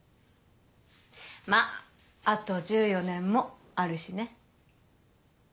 まぁあと１４年もあるしね。